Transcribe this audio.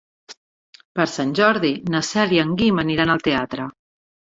Per Sant Jordi na Cel i en Guim aniran al teatre.